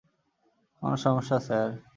কোন সমস্যা, স্যার?